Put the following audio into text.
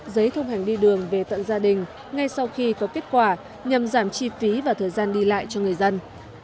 giấy thông hành đi đường về tận gia đình ngay sau khi có kết quả nhằm giảm chi phí và thời gian đi lại cho người dân